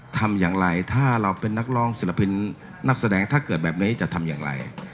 ทำอย่างไรถ้าเราเป็นนักร้องศิลปินนักแสดงถ้าเกิดแบบนี้จะทำอย่างไร